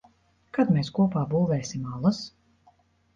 Kad mēs kopā būvēsim alas?